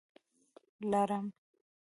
🦂 لړم